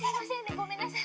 ごめんなさい。